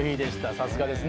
さすがですね。